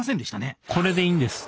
これでいいんです。